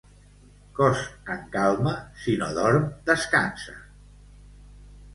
Cos en calma, si no dorm descansa.